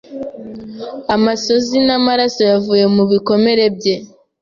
Amosozi n'amaraso yavuye mu bikomere bye